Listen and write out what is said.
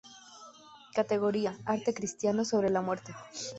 Categoría:Arte cristiano sobre la muerte